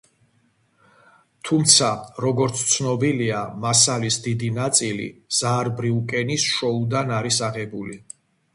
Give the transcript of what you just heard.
თუმცა, როგორც ცნობილია, მასალის დიდი ნაწილი ზაარბრიუკენის შოუდან არის აღებული.